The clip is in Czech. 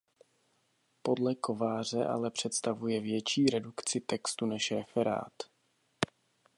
Podle Kováře ale představuje větší redukci textu než referát.